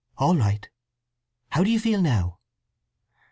All right. How do you feel now?"